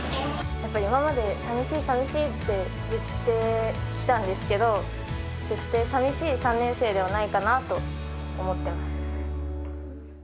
やっぱり今まで、寂しい、寂しいって言ってきたんですけど、決して寂しい３年生ではないかなと思ってます。